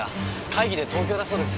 会議で東京だそうです。